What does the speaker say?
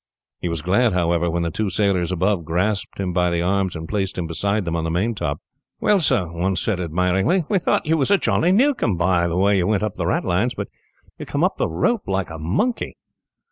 He was glad, however, when the two sailors above grasped him by the arms, and placed him beside them on the main top. "Well, sir," one said, admiringly, "we thought you was a Johnny Newcome, by the way you went up the ratlines, but you came up that rope like a monkey.